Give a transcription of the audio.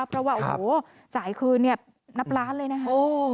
เพราะว่าจ่ายคืนนับล้านเลยนะคะ